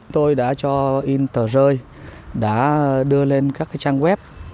tôi đã cho in tờ rơi đã đưa lên các trang web